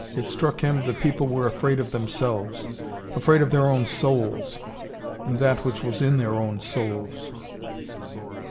It struck him the people were afraid of themselves: afraid of their own souls, and that which was in their own souls.